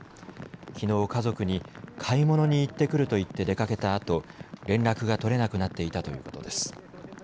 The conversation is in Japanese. きのう家族に買い物に行ってくると言って出かけたあと連絡が取れなくなっていたということです。